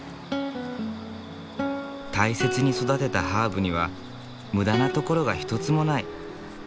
大切に育てたハーブには無駄なところが一つもない。